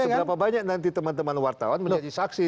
seberapa banyak nanti teman teman wartawan menjadi saksi